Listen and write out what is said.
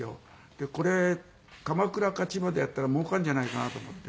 でこれ鎌倉か千葉でやったらもうかるんじゃないかなと思って。